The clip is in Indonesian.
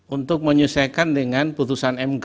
untuk menyesuaikan dengan putusan mk